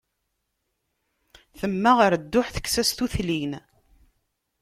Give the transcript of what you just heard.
Temmeɣ ɣer dduḥ, tekkes-as tutlin.